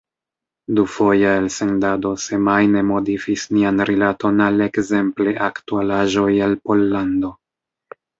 Dufoja elsendado semajne modifis nian rilaton al ekzemple aktualaĵoj el Pollando.